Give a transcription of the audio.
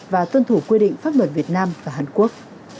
và tuân thủ quy định pháp luật việt nam và hàn quốc